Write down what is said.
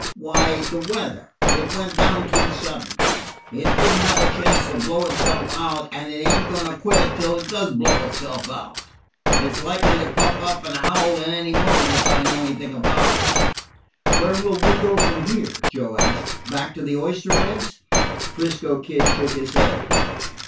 "Why, the weather. It went down too sudden. It did n't have a chance to blow itself out, and it ain't going to quit till does blow itself out. It 's likely to puff up and howl at any moment, if I know anything about it." "Where will we go from here?" Joe asked. "Back to the oyster beds?" 'Frisco Kid shook his head.